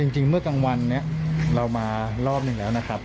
จริงเมื่อกลางวันนี้เรามารอบหนึ่งแล้วนะครับ